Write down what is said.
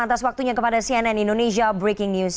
atas waktunya kepada cnn indonesia breaking news